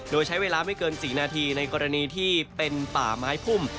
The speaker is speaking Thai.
โดยใช้เวลาไม่เกิน๔นาทีในกรณีที่เป็นป่าไม้พุ่ม